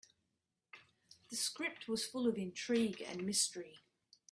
The script was full of intrigue and mystery.